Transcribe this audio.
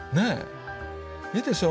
いいでしょ